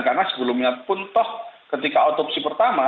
karena sebelumnya pun toh ketika otopsi pertama